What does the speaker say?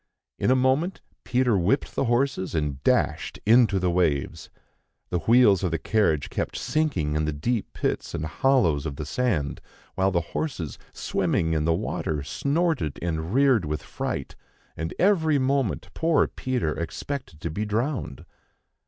In a moment, Peter whipped the horses, and dashed into the waves. The wheels of the carriage kept sinking in the deep pits and hollows in the sand, while the horses, swimming in the water, snorted and reared with fright, and every moment poor Peter expected to be drowned.